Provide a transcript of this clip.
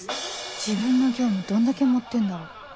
自分の業務どんだけ盛ってんだろう